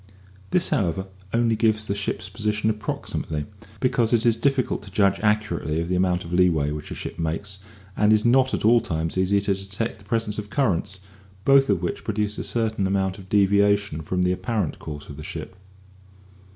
This, however, only gives the ship's position approximately, because it is difficult to judge accurately of the amount of lee way which a ship makes, and it is not at all times easy to detect the presence of currents, both of which produce a certain amount of deviation from the apparent course of the ship.